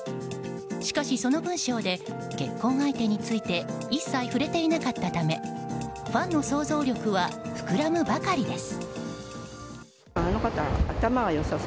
しかし、その文書で結婚相手について一切触れていなかったためファンの想像力は膨らむばかりです。